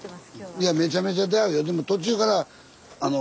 めちゃめちゃ出会うよ。